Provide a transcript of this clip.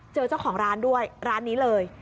เจอเจ้าของร้านด้วยร้านนี้เลย